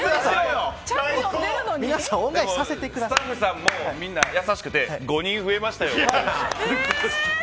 スタッフさんもみんな優しくて５人増えましたよ。